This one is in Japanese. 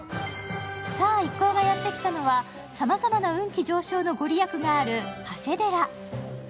さあ、一行がやってきたのはさまざまな運気上昇のご利益がある長谷寺。